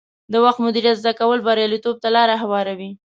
د وخت مدیریت زده کول بریالیتوب ته لار هواروي.